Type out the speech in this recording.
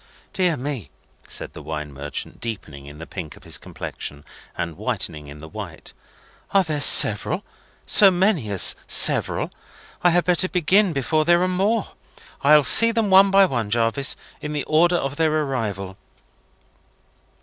"Dear me!" said the wine merchant, deepening in the pink of his complexion and whitening in the white, "are there several? So many as several? I had better begin before there are more. I'll see them one by one, Jarvis, in the order of their arrival."